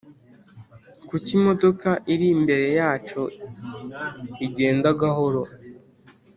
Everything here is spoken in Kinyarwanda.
kuki imodoka iri imbere yacu igenda gahoro?